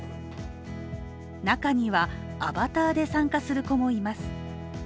中には、アバターで参加する子もいます。